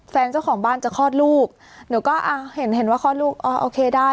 เจ้าของบ้านจะคลอดลูกหนูก็อ่ะเห็นเห็นว่าคลอดลูกอ๋อโอเคได้